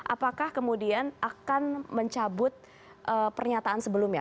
apakah kemudian akan mencabut pernyataan sebelumnya